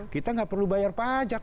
kita nggak perlu bayar pajak